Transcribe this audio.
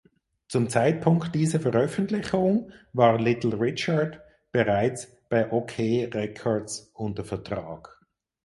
Zum Zeitpunkt dieser Veröffentlichung war Little Richard bereits bei Okeh Records unter Vertrag.